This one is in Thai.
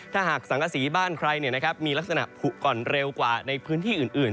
ถ้าหากสังกษีบ้านใครมีลักษณะผุก่อนเร็วกว่าในพื้นที่อื่น